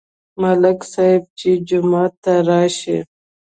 ملک صاحب چې جومات ته راشي،